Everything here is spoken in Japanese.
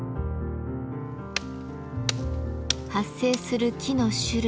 発生する木の種類